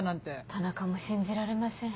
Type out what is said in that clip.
田中も信じられません。